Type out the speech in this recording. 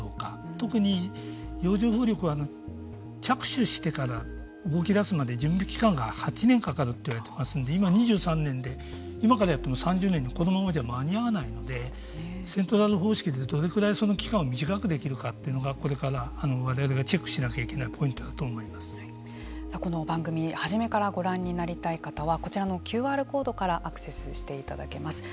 特に、洋上風力は着手してから動きだすまで準備期間が８年かかると言われてますので今、２３年で今からやっても３０年にこのままじゃ間に合わないのでセントラル方式でどれぐらいその期間を短くできるかというのがこれから我々がチェックしないといけないこの番組初めからご覧になりたい方はこちらのＱＲコードからアクセスしていただけます。